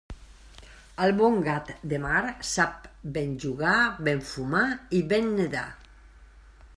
El bon gat de mar sap ben jugar, ben fumar i ben nedar.